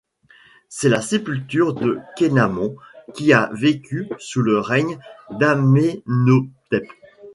C'est la sépulture de Qenamon qui a vécu sous le règne d'Amenhotep.